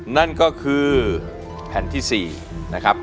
นั่นก็คือแผ่นที่๔นะครับ